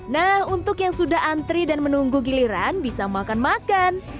nah untuk yang sudah antri dan menunggu giliran bisa makan makan